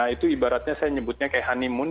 itu ibaratnya saya nyebutnya kayak honeymoon